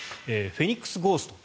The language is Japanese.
フェニックスゴーストと。